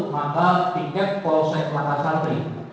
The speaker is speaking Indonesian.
maka tiket kosek laka sangri